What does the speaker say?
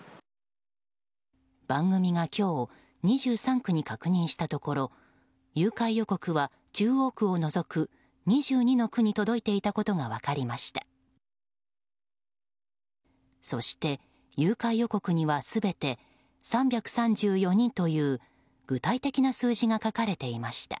番組が今日２３区に確認したところ誘拐予告は中央区を除く２２の区に届いていたことが分かりました。